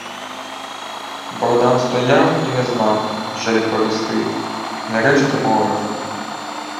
Богдан стояв і не знав, що відповісти. Нарешті мовив: